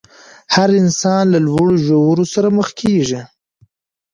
هر انسان له لوړو ژورو سره مخ کېږي.